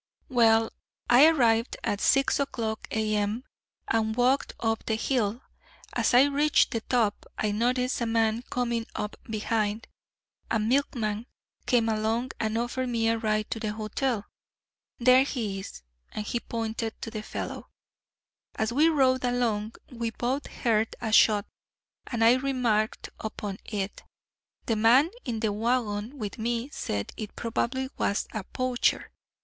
"Well, I arrived at six o'clock A.M. and walked up the hill. As I reached the top, I noticed a man coming up behind. A milkman came along and offered me a ride to the hotel there he is," and he pointed to the fellow. "As we rode along, we both heard a shot, and I remarked upon it. The man in the wagon with me said it probably was a poacher.